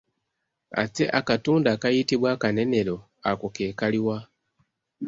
Ate akatundu akayitibwa akanenero ako ke kaliwa?